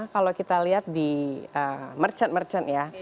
kalau kita lihat di merchant merchant ya